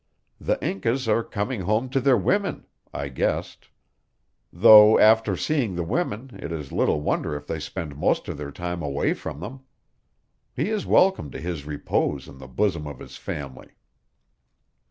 "The Incas are coming home to their women," I guessed. "Though, after seeing the women, it is little wonder if they spend most of their time away from them. He is welcome to his repose in the bosom of his family."